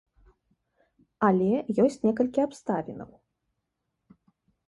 Але ёсць некалькі абставінаў.